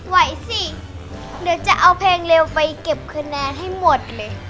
ไหวสิเดี๋ยวจะเอาเพลงเร็วไปเก็บคะแนนให้หมดเลย